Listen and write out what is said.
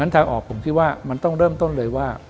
ทางออกผมคิดว่ามันต้องเริ่มต้นเลยว่า